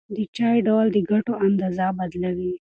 د چای ډول د ګټو اندازه بدلوي.